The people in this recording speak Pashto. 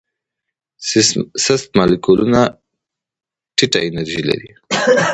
سست مالیکولونه ټیټه انرژي لري.